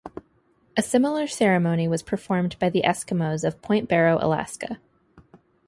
A similar ceremony was performed by the Eskimos of Point Barrow, Alaska.